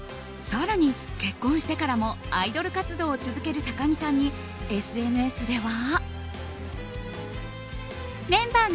更に、結婚してからもアイドル活動を続ける高城さんに、ＳＮＳでは。